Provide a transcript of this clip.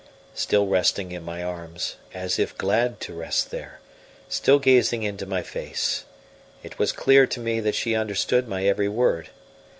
Still resting in my arms, as if glad to rest there, still gazing into my face, it was clear to me that she understood my every word.